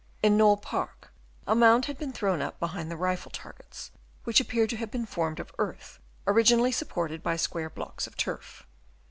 In Knole Park a mound had been thrown up behind the rifle targets, which appeared to have been formed of earth originally supported by square blocks of turf.